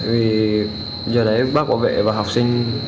vì giờ đấy bác bảo vệ và học sinh